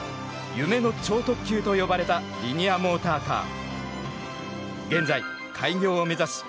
“夢の超特急”と呼ばれたリニアモーターカー。